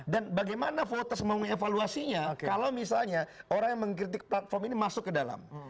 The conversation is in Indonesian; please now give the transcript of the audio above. dan bagaimana voters mau mengevaluasinya kalau misalnya orang yang mengkritik platform ini masuk ke dalam